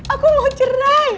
aku mau cerai